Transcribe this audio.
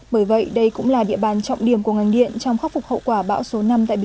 bởi vậy đây cũng là địa bàn trọng điểm của ngành điện trong khắc phục hậu quả bão số năm tại bỉ